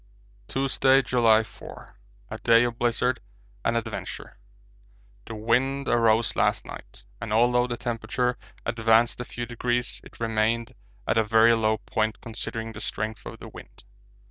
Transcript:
Tuesday, July 4. A day of blizzard and adventure. The wind arose last night, and although the temperature advanced a few degrees it remained at a very low point considering the strength of the wind.